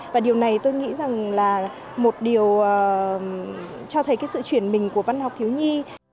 và điều này tôi nghĩ rằng là một điều cho thấy cái sự chuyển mình của văn học thiếu nhi